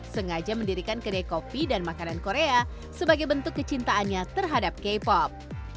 sengaja mendirikan kedai kopi dan makanan korea sebagai bentuk kecintaannya terhadap k pop